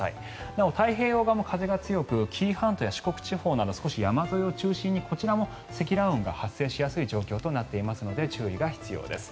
なお、太平洋側も風が強く紀伊半島や四国地方など少し山沿いを中心にこちらも積乱雲が発生しやすい状況となっていますので注意が必要です。